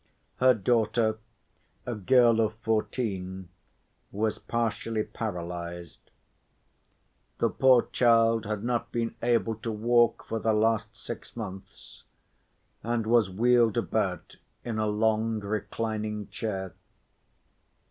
Her daughter, a girl of fourteen, was partially paralyzed. The poor child had not been able to walk for the last six months, and was wheeled about in a long reclining chair.